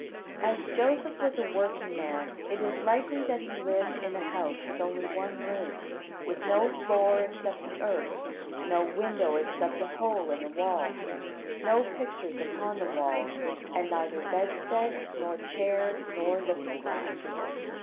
As Joseph was a working man, it is likely that he lived in a house with only one room, with no floor except the earth, no window except a hole in the wall, no pictures upon the walls, and neither bedstead, nor chair, nor looking glass.